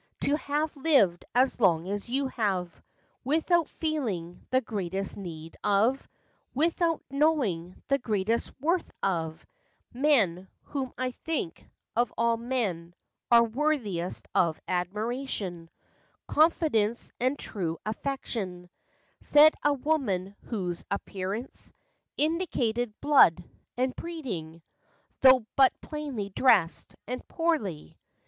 To have lived as long as you have, Without feeling the great need of— Without knowing the great worth of— Men, whom I think, of all men, are Worthiest of admiration, Confidence, and true affection, " Said a woman whose appearance Indicated "blood" and breeding, Tho' but plainly dressed, and poorly.